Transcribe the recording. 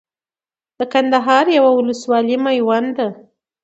د کندهار يوه ولسوالي ميوند ده